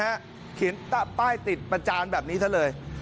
นะฮะเขียนป้ายติดประจานแบบนี้เท่าเลย